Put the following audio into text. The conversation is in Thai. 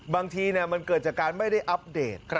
บางทีมันเกิดจากการไม่ได้อัปเดต